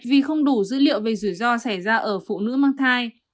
vì không đủ dữ liệu về rủi ro xảy ra ở phụ nữ mang thai